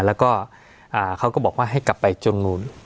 แล้วก็เขาก็บอกว่าให้กลับไปจนนู่น